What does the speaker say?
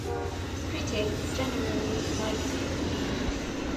Critics generally liked it.